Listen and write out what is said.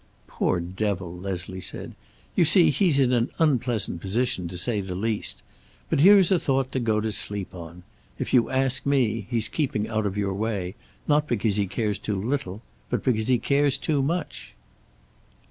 "Poor devil!" Leslie said. "You see, he's in an unpleasant position, to say the least. But here's a thought to go to sleep on. If you ask me, he's keeping out of your way, not because he cares too little, but because he cares too much."